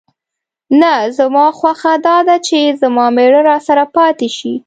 نه، زما خوښه دا ده چې زما مېړه راسره پاتې شي.